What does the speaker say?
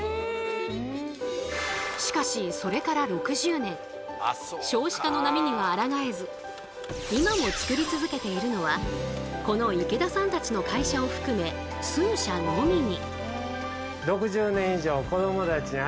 しかしそれから６０年今も作り続けているのはこの池田さんたちの会社を含め数社のみに。